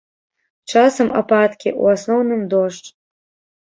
Часам ападкі, у асноўным дождж.